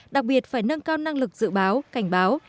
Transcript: đặc biệt phải nâng cao năng lực dự báo cảnh báo